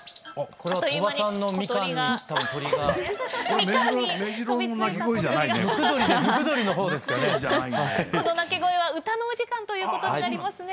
この鳴き声は歌のお時間ということになりますね。